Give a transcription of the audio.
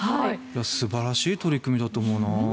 素晴らしい取り組みだと思うね。